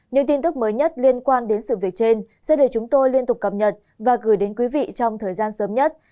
những tin tức mới nhất liên quan đến sự việc trên sẽ được chúng tôi liên tục cập nhật và gửi đến quý vị trong thời gian sớm nhất